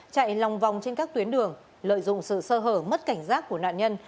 chạy lòng vòng trên các tuyến đường lợi dụng sự sơ hở mất cảnh giác của nạn nhân